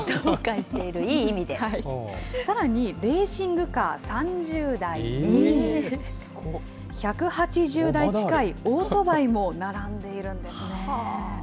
さらに、レーシングカー３０台に、１８０台近いオートバイも並んでいるんですね。